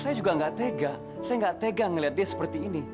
saya juga nggak tega saya nggak tega ngeliat dia seperti ini